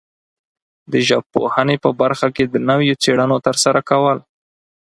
د ژبپوهنې په برخه کې د نویو څېړنو ترسره کول